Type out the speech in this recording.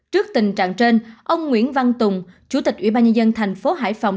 trước tình trạng trên ông nguyễn văn tùng chủ tịch ủy ban nhân dân thành phố hải phòng